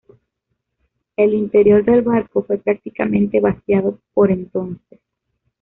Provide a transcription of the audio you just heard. El interior del barco fue prácticamente vaciado por entonces.